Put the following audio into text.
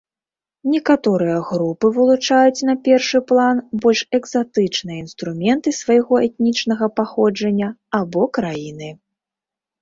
Некаторыя групы вылучаюць на першы план больш экзатычныя інструменты свайго этнічнага паходжання або краіны.